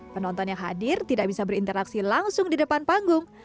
penonton yang hadir tidak bisa berinteraksi langsung di depan panggung